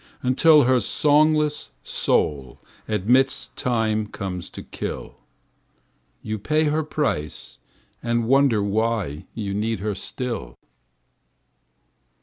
Until her songless soul admits Time comes to kill; You pay her price and wonder why You need her still.